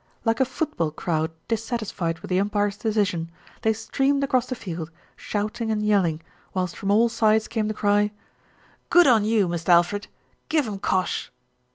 Like a football crowd dissatisfied with the umpire's decision, they streamed across the field, shouting and yelling, whilst from all sides came the cry "Good on you, Mist' Alfred ! Give 'em cosh